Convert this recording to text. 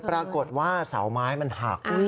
ปรากฏว่าเสาไม้มันหัก